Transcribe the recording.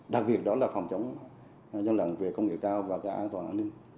đặc biệt đó là phòng chống gian lặng về công nghệ cao và an toàn an ninh